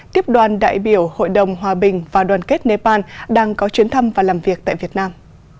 tiếp đoàn đại biểu hội đồng hòa bình và đoàn kết nepal đang có chuyến thăm và làm việc tại việt nam